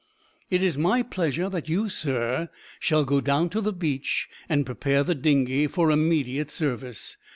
"It is my pleasure that you, sir, shall go down to the beach and prepare the dinghy for immediate service.